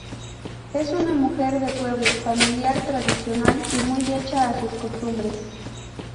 Es una mujer de pueblo, familiar, tradicional, y muy hecha a sus costumbres.